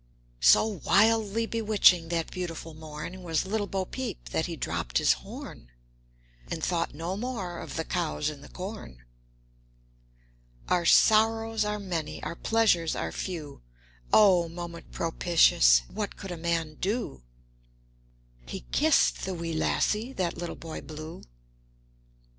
So wildly bewitching that beautiful morn Was Little Bopeep that he dropped his horn And thought no more of the cows in the corn. Our sorrows are many, our pleasures are few; O moment propitious! What could a man do? He kissed the wee lassie, that Little Boy Blue!